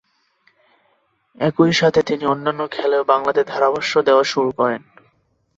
একইসাথে তিনি অন্যান্য খেলায়ও বাংলাতে ধারাভাষ্য দেওয়া শুরু করেন।